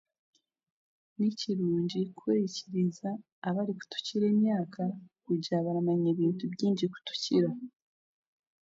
Ni kirungi kuhurikiriza abaratukira emyaka kugira ngu baramanya ebintu bingi kutukira